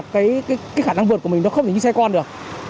cái khả năng vượt của mình nó không thể như xe con được